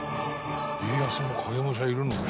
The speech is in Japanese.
「家康も影武者いるの？」